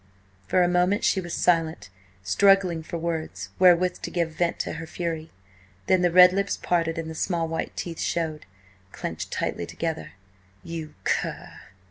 For a moment she was silent, struggling for words wherewith to give vent to her fury; then the red lips parted and the small, white teeth showed, clenched tightly together. "You cur!"